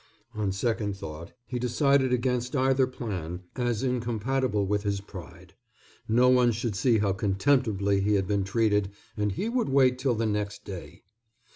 On second thought he decided against either plan, as incompatible with his pride. No one should see how contemptibly he had been treated, and he would wait till the next day.